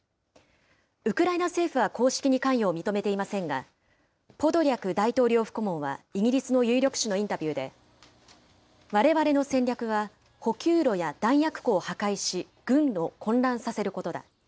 ウクライナ政府は公式に関与を認めていませんが、ポドリャク大統領府顧問はイギリスの有力紙のインタビューで、われわれの戦略は補給路や弾薬庫を破壊し軍を混乱させることだ。